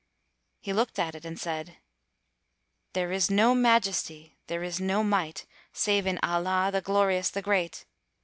He looked at it and said, "There is no Majesty there is no Might save in Allah, the Glorious, the Great!"